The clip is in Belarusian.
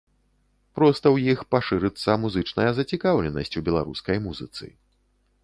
Проста ў іх пашырыцца музычная зацікаўленасць у беларускай музыцы.